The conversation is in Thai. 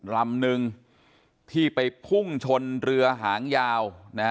ลำนึงที่ไปพุ่งชนเรือหางยาว